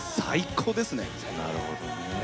なるほどね。